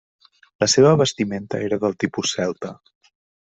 La seva vestimenta era del tipus celta.